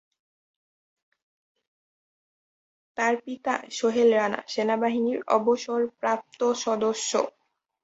তার পিতা সোহেল রানা সেনাবাহিনীর অবসরপ্রাপ্ত সদস্য।